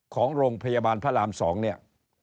ของโรงพยาบาลพระราม๒เนี่ย